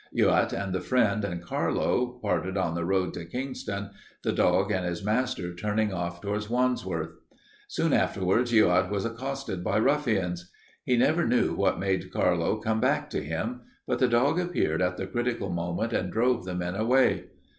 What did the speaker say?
Youatt and the friend and Carlo parted on the road to Kingston, the dog and his master turning off toward Wandsworth. Soon afterward Youatt was accosted by ruffians. He never knew what made Carlo come back to him, but the dog appeared at the critical moment and drove the men away.